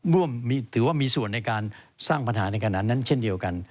ถือว่ามีส่วนในการสร้างปัญหาในขณะนั้นเช่นเดียวกัน